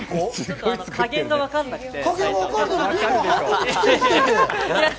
加減がわからなくて。